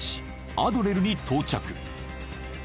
アドレルに到着